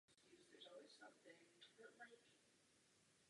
Je skutečně nepřijatelné, že se takovými věcmi musíme zabývat.